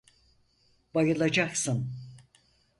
Bayılacaksın.